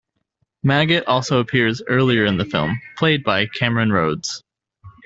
Maggot also appears earlier in the film, played by Cameron Rhodes.